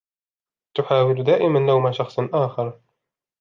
تحاول دائما لوم شخص آخر.